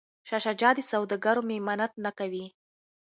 شاه شجاع د سوداګرو ممانعت نه کوي.